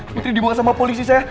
putri dibawa sama polisi saya